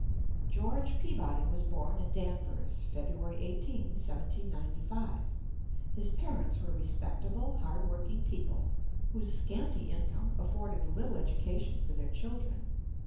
George Peabody was born in Danvers, Feb. 18, 1795. His parents were respectable, hard working people, whose scanty income afforded little education for their children.